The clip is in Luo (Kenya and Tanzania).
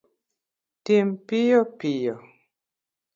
Tim piyo piyo